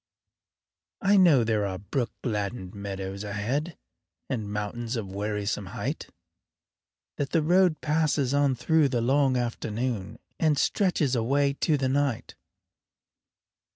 I know there are brook gladdened meadows ahead, And mountains of wearisome height; That the road passes on through the long afternoon And stretches away to the night.